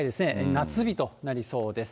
夏日となりそうです。